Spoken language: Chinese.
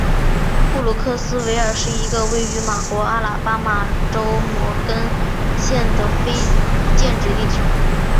布鲁克斯维尔是一个位于美国阿拉巴马州摩根县的非建制地区。